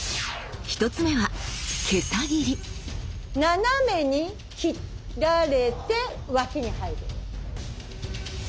１つ目は斜めに斬られて脇に入る。